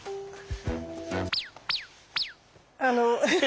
あの。